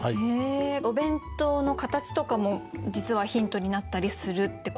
お弁当の形とかも実はヒントになったりするってことですか？